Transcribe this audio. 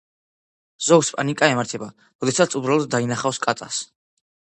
ზოგს პანიკა ემართება, როდესაც უბრალოდ დაინახავს კატას.